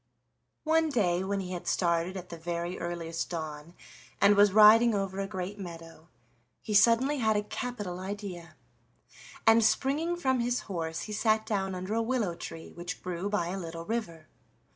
One day when he had started at the very earliest dawn, and was riding over a great meadow, he suddenly had a capital idea, and, springing from his horse, he sat down under a willow tree which grew by a little river.